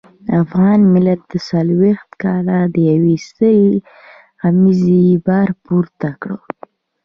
افغان ملت څلويښت کاله د يوې سترې غمیزې بار پورته کړ.